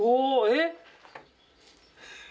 えっ？